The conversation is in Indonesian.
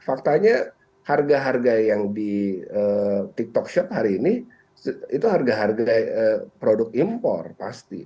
faktanya harga harga yang di tiktok shop hari ini itu harga harga produk impor pasti